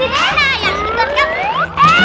ini baju buat kamu